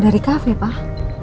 dari kafe pak